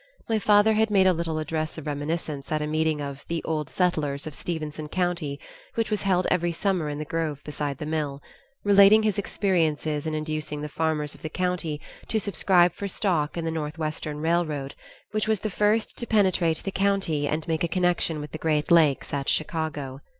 My father had made a little address of reminiscence at a meeting of "the old settlers of Stephenson County," which was held every summer in the grove beside the mill, relating his experiences in inducing the farmers of the county to subscribe for stock in the Northwestern Railroad, which was the first to penetrate the county and make a connection with the Great Lakes at Chicago.